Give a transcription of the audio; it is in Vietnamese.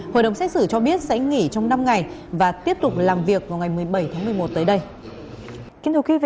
hội đồng xét xử cho biết sẽ nghỉ trong năm ngày và tiếp tục làm việc vào ngày một mươi bảy tháng một mươi một tới đây